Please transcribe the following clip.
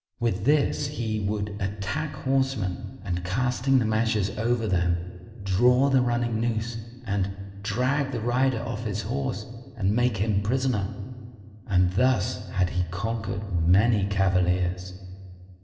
With this he would attack horsemen and casting the meshes over them, draw the running noose and drag the rider off his horse and make him prisoner; and thus had he conquered many cavaliers.